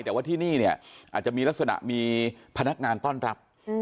แต่ว่าที่นี่เนี่ยอาจจะมีลักษณะมีพนักงานต้อนรับ